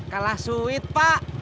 kalah suit pak